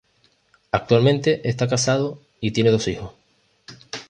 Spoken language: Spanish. Actualmente está casado y tiene dos hijos.